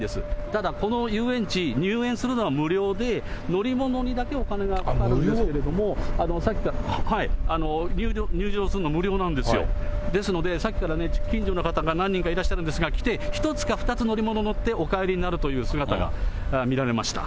ただ、この遊園地、入園するのは無料で、乗り物にだけお金がかかるんですけれども、入場するの無料なんですよ、ですので、さっきから近所の方が何人かいらしてるんですが、来て、１つか２つ乗り物乗って、お帰りになるという姿が見られました。